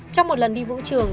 trong một lần đi vũ trường